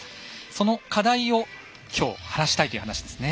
その課題を今日晴らしたいという話ですね。